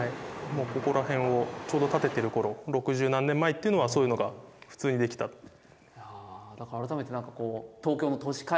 もうここら辺をちょうど建ててる頃六十何年前っていうのはそういうのが普通に出来たという。